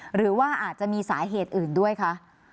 หรือว่าอาจจะมีสาเหตุอื่นด้วยคะ